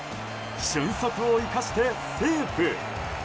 俊足を生かしてセーフ！